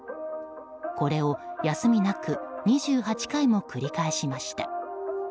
これを休みなく２８回も繰り返しました。